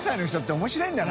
面白いんだな